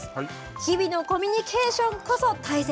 日々のコミュニケーションこそ大切！